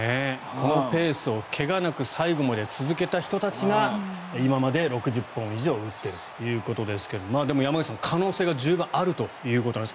このペースを怪我なく最後まで続けた人たちが今まで６０本以上打ってるということですがでも山口さん、可能性は十分あるということです。